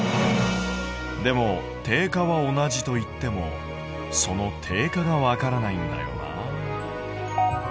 でも定価は同じといってもその定価がわからないんだよな。